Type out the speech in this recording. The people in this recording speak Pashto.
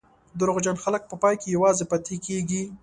دروغجن خلک په پای کې یوازې پاتې کېږي.